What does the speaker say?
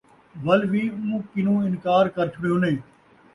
وَل وِی اُوں کنُوں اِنکار کر چھوڑیونیں ،